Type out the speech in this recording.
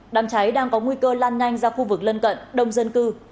đám cháy đang có nguy cơ lan nhanh ra khu vực lân cận đông dân cư